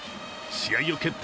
試合を決定